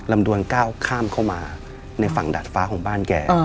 ดวนก้าวข้ามเข้ามาในฝั่งดาดฟ้าของบ้านแก